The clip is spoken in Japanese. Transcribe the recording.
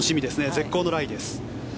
絶好のライです。